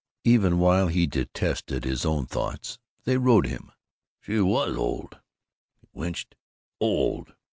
Even while he detested his own thoughts, they rode him. She was old, he winced. Old!